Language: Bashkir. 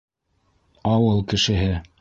— Ауыл кешеһе.